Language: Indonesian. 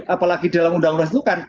apalagi dalam undang undang itu kan